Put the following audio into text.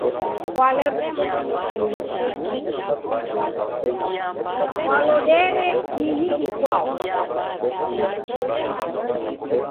Kwalodere kii ikwau?